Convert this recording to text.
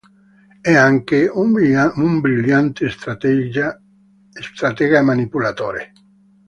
È anche un brillante stratega e manipolatore.